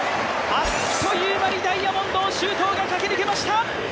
あっという間にダイヤモンドを周東が駆け抜けました。